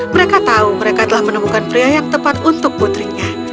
mereka tahu mereka telah menemukan pria yang tepat untuk putrinya